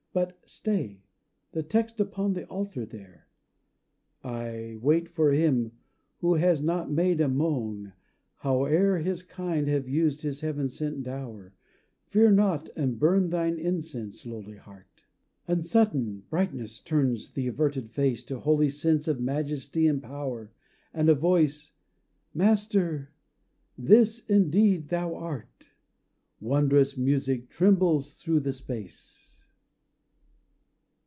But Stay the text upon the altar there "I wait for him who has not made a moan Howe'er his kind have used his heaven sent dower. Fear not, and burn thine incense, lowly heart." And sudden brightness turns the averted face, To holy sense of majesty and power And a voice: "Master this indeed thou art." Wondrous music trembles thro' the space.